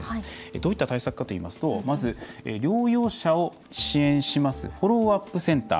どういった対策かといいますとまず、療養者を支援しますフォローアップセンター。